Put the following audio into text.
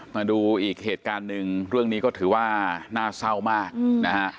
มาดูอีกเหตุการณ์หนึ่งเรื่องนี้ก็ถือว่าน่าเศร้ามากนะฮะ